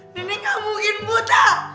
nenek gak mungkin buta